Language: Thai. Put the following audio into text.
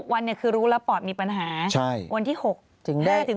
๖วันคือรู้แล้วปอดมีปัญหา